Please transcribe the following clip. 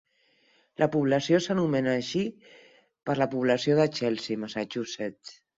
La població s'anomena així per la població de Chelsea, Massachusetts.